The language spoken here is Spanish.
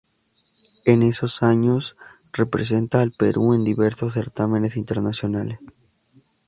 En esos años representa al Perú en diversos certámenes internacionales.